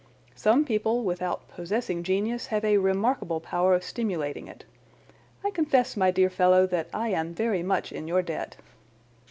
Some people without possessing genius have a remarkable power of stimulating it. I confess, my dear fellow, that I am very much in your debt."